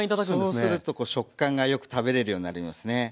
そうすると食感がよく食べれるようになりますね。